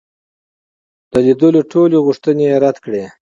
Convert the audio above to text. د لیدلو ټولي غوښتني یې رد کړې.